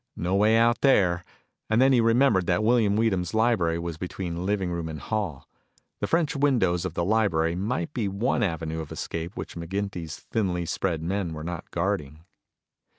No way out there. And then he remembered that William Weedham's library was between living room and hall. The French windows of the library might be the one avenue of escape which McGinty's thinly spread men were not guarding.